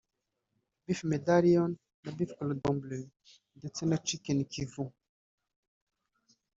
beef medallion na beef cordon bleu ndetse na Chicken Kiev